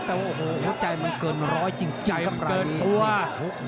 แต่ว่าใจมันเกินร้อยจริงครับราวนี้